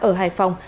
ở hải phòng